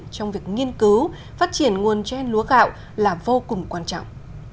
trong việc nghiên cứu phát triển nguồn gen lúa gạo là vô cùng quan trọng